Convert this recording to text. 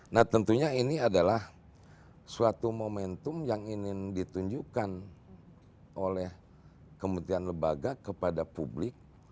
nah tentunya ini adalah suatu momentum yang ingin ditunjukkan oleh kementerian lembaga kepada publik